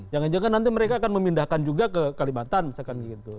jangan jangan nanti mereka akan memindahkan juga ke kalimantan misalkan gitu